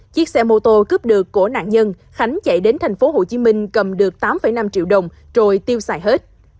chiếc xe mô tô cướp được của nạn nhân khánh chạy đến thành phố hồ chí minh cầm được tám năm triệu đồng rồi tiêu xài hết